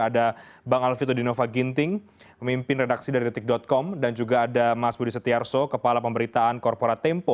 ada bang alvito dinova ginting pemimpin redaksi dari detik com dan juga ada mas budi setiarso kepala pemberitaan korporat tempo